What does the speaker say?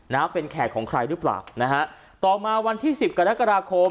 นะฮะเป็นแขกของใครหรือเปล่านะฮะต่อมาวันที่สิบกรกฎาคม